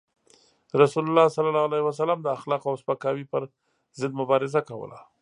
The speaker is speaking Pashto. رسول الله صلى الله عليه وسلم د اخلاقو او سپکاوي پر ضد مبارزه کوله.